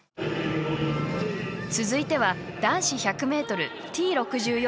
続いては男子１００ｍ、Ｔ６４決勝。